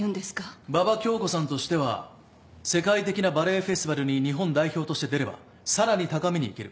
馬場恭子さんとしては世界的なバレエフェスティバルに日本代表として出ればさらに高みにいける。